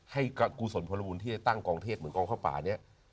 ให้กรุสลพลบุญที่ตั้งกองเทศเหมือนกองข้าวป่านี่